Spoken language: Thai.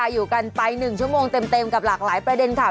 อยู่กันไป๑ชั่วโมงเต็มกับหลากหลายประเด็นค่ะ